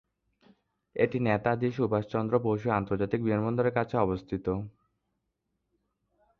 এটি নেতাজি সুভাষচন্দ্র বসু আন্তর্জাতিক বিমানবন্দরের কাছে অবস্থিত।